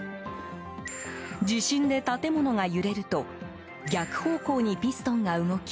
地震で建物が揺れると逆方向にピストンが動き